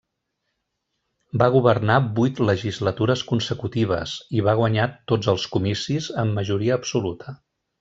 Va governar vuit legislatures consecutives, i va guanyar tots els comicis amb majoria absoluta.